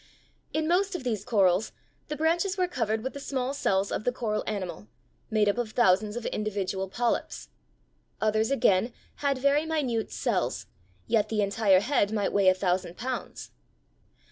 In most of these corals the branches were covered with the small cells of the coral animal, made up of thousands of individual polyps. Others again had very minute cells, yet the entire head might weigh a thousand pounds.